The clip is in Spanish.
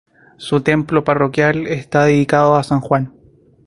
Su templo parroquial está dedicado a San Juan.